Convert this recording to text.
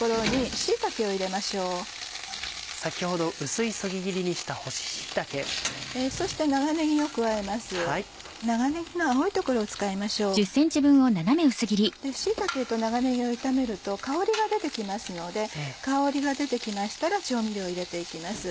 椎茸と長ねぎを炒めると香りが出て来ますので香りが出て来ましたら調味料を入れて行きます。